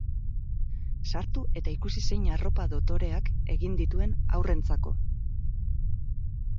Sartu eta ikusi zein arropa dotoreak egin dituen haurrentzako!